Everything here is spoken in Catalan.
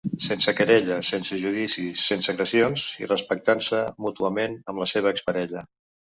Sense querelles, sense judicis, sense agressions, respectant-se mútuament amb la seva ex-parella.